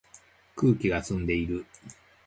空気が澄んでいる